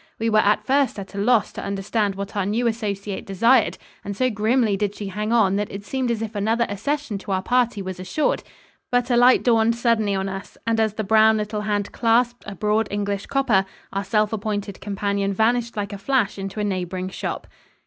We were at first at a loss to understand what our new associate desired, and so grimly did she hang on that it seemed as if another accession to our party was assured but a light dawned suddenly on us, and, as the brown little hand clasped a broad English copper, our self appointed companion vanished like a flash into a neighboring shop.